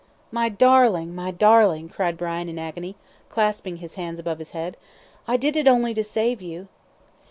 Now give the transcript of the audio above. "My darling! My darling!" cried Brian, in agony, clasping his hands above his head. "I did it only to save you."